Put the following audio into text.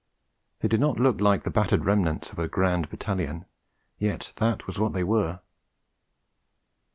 They did not look like the battered remnant of a grand Battalion. Yet that was what they were.